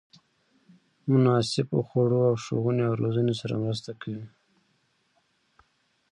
مناسبو خوړو او ښوونې او روزنې سره مرسته کوي.